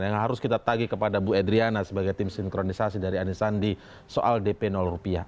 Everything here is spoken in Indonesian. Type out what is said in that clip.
yang harus kita tagih kepada bu edriana sebagai tim sinkronisasi dari anisandi soal dp rupiah